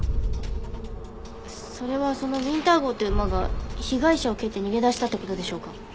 それはそのウィンター号って馬が被害者を蹴って逃げ出したって事でしょうか？